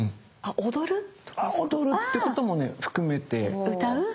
踊るってこともね含めて。